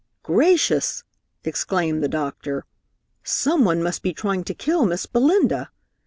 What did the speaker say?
"Gracious!" exclaimed the doctor. "Someone must be trying to kill Miss Belinda!"